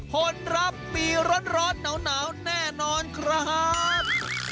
ผลรับมีร้อนหนาวแน่นอนครับ